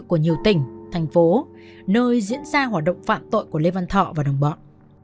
của nhiều tỉnh thành phố nơi diễn ra hoạt động phạm tội của lê văn thọ và đồng bọn